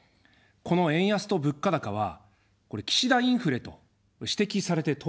この円安と物価高は、岸田インフレと指摘されて当然だと思います。